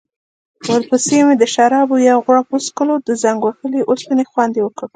ورپسې مې د شرابو یو غوړپ وڅکلو، د زنګ وهلې اوسپنې خوند يې وکړ.